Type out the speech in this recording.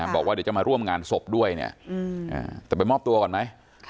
บอกว่าเดี๋ยวจะมาร่วมงานศพด้วยเนี่ยจะไปมอบตัวก่อนไหม